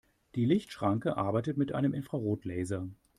Die Lichtschranke arbeitet mit einem Infrarotlaser.